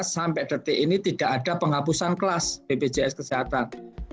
sampai detik ini tidak ada penghapusan kelas bpjs kesehatan